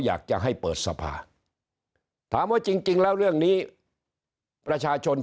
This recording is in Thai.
อยากจะให้เปิดสภาถามว่าจริงแล้วเรื่องนี้ประชาชน